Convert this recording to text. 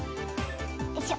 よいしょ。